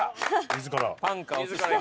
自ら。